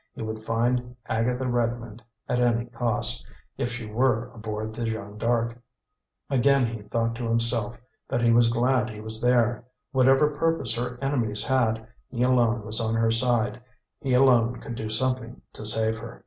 He would find Agatha Redmond at any cost, if she were aboard the Jeanne D'Arc. Again he thought to himself that he was glad he was there. Whatever purpose her enemies had, he alone was on her side, he alone could do something to save her.